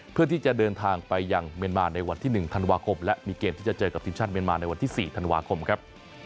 เพื่อที่จะเดินทางไปยังเมียนมาในวันที่๑ธันวาคมและมีเกมที่จะเจอกับทีมชาติเมียนมาในวันที่๔ธันวาคมครับ